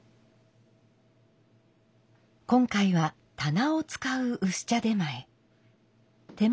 今回は棚を使う薄茶点前。